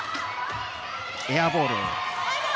エアボール。